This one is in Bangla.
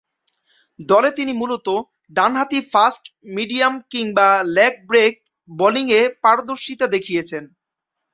দলে তিনি মূলতঃ ডানহাতি ফাস্ট-মিডিয়াম কিংবা লেগ ব্রেক বোলিংয়ে পারদর্শীতা দেখিয়েছেন।